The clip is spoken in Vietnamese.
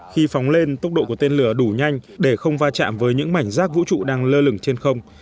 khi phóng lên tốc độ của tên lửa đủ nhanh để không va chạm với những mảnh rác vũ trụ đang lơ lửng trên không